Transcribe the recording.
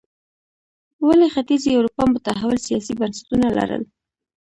ولې ختیځې اروپا متحول سیاسي بنسټونه لرل.